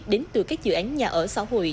đến từ các dự án nhà ở xã hội